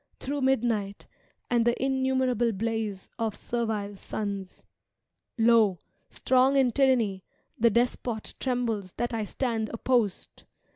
Through midnight, and the innumerable blaze Of servile suns: Lo, strong in tyranny. The despot trembles that I stand opposed!